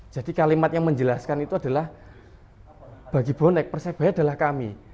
jadi kalimat yang menjelaskan itu adalah bagi bonek persebaya adalah kami